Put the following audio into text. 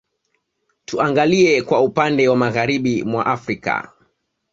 Tuangalie kwa upande wa Magharibi mwa Afrika